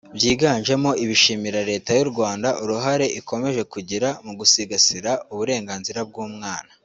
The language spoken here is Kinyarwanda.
byiganjemo ibishimira Leta y’u Rwanda uruhare ikomeje kugira mu gusigasira uburenganzira bw’umwana